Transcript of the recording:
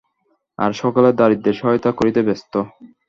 আর সকলে দরিদ্রের সহায়তা করিতে ব্যস্ত।